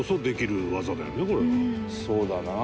「そうだな」